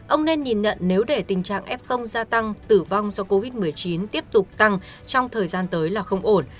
ông nên nhìn nhận nếu để tình trạng f gia tăng tử vong do covid một mươi chín tiếp tục tăng trong thời gian tới là không ổn